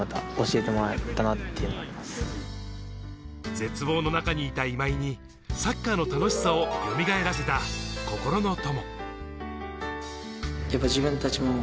絶望の中にいた今井にサッカーの楽しさをよみがえらせた心の友。